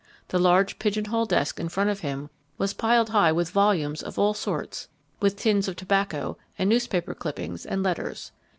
The large pigeon holed desk in front of him was piled high with volumes of all sorts, with tins of tobacco and newspaper clippings and letters.